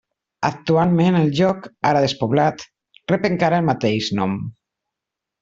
Actualment el lloc, ara despoblat, rep encara el mateix nom.